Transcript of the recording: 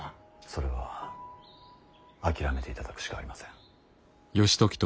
それは諦めていただくしかありません。